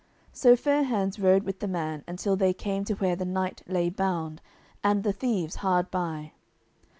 So Fair hands rode with the man until they came to where the knight lay bound, and the thieves hard by.